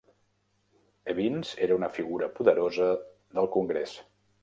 Evins era una figura poderosa del Congrés.